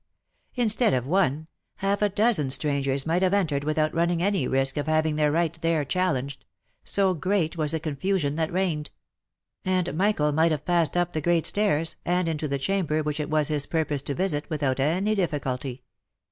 Instead of one, half a dozen strangers might have entered without running any risk of having their right there challenged ; so great was the confusion that reigned ; and Michael might have passed up the great stairs, and into the chamber which it was his purpose to visit, without any difficulty.